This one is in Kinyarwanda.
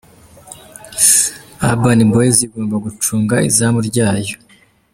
Urban Boyz igomba gucunga izamu ryayo.